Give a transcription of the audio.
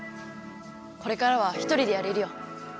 これからは一人でやれるよ。